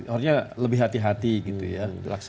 harusnya lebih hati hati gitu ya